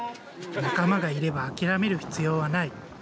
仲間がいれば諦める必要はない。